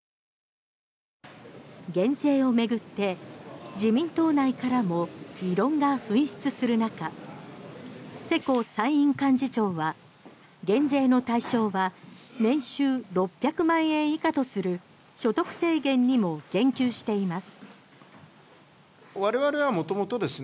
減税を巡って自民党内からも異論が噴出する中世耕参院幹事長は、減税の対象は年収６００万円以下とする所得制限にも言及しています。